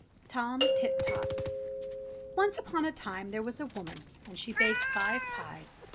TOM TIT TOT ONCE upon a time there was a woman and she baked five pies.